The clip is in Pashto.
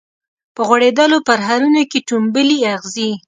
په غوړیدولو پرهرونو کي ټومبلي اغزي